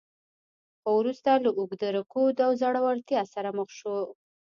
خو وروسته له اوږده رکود او ځوړتیا سره مخ شو.